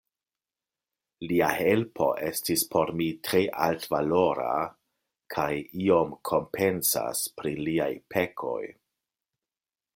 Lia helpo estis por mi tre altvalora, kaj iom kompensas pri liaj pekoj.